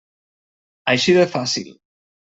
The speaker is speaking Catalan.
Així de fàcil.